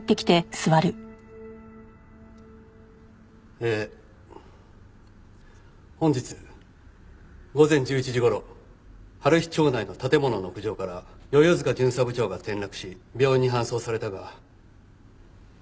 えー本日午前１１時頃春陽町内の建物の屋上から世々塚巡査部長が転落し病院に搬送されたが。